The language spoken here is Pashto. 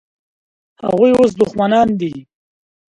هغوی اوس دښمنان دي.